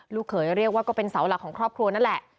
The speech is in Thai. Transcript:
เขยเรียกว่าก็เป็นเสาหลักของครอบครัวนั่นแหละ